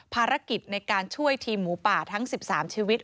ภารกิจในการช่วยทีมหมูป่าทั้ง๑๓ชีวิต